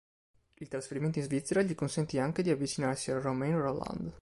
Il trasferimento in Svizzera gli consentì anche di avvicinarsi a Romain Rolland.